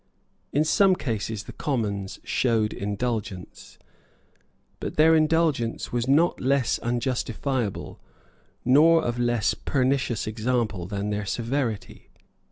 In some cases the Commons showed indulgence; but their indulgence was not less unjustifiable, nor of less pernicious example, than their severity.